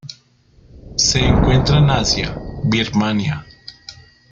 Se encuentran en Asia: Birmania.